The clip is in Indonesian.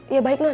iya baik non